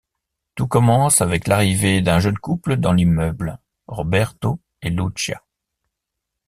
Tout commence avec l'arrivée d'un jeune couple dans l'immeuble, Roberto et Lucía.